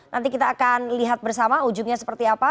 nanti kita akan lihat bersama ujungnya seperti apa